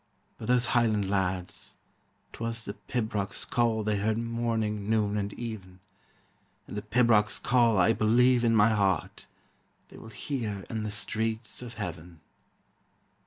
But those highland lads, 'twas the pibroch's call They heard morning, noon, and even, And the pibroch's call, I believe in my heart, They will hear in the streets of heaven.